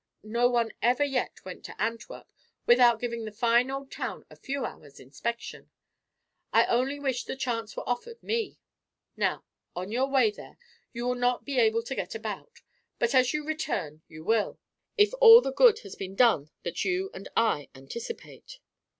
No one ever yet went to Antwerp without giving the fine old town a few hours' inspection. I only wish the chance were offered me! Now, on your way there, you will not be able to get about; but, as you return, you will if all the good has been done you that I anticipate."